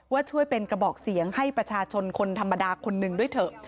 ช่วยเป็นกระบอกเสียงให้ประชาชนคนธรรมดาคนหนึ่งด้วยเถอะ